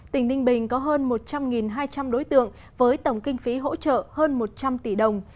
tỉnh ninh bình có hơn một trăm linh hai trăm linh đối tượng với tổng kinh phí hỗ trợ hơn một trăm linh tỷ đồng